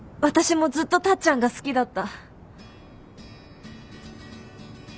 私もずっとタッちゃんが好きだった。